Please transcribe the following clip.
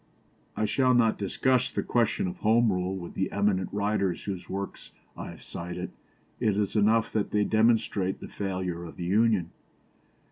" I shall not discuss the question of Home Rule with the eminent writers whose works I have cited. It is enough that they demonstrate the failure of the Union.